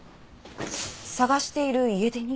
捜している家出人？